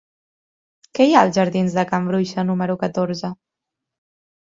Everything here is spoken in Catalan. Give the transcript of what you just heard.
Què hi ha als jardins de Can Bruixa número catorze?